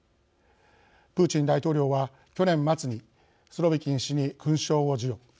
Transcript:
プーチン大統領は去年まつにスロビキン氏に勲章を授与。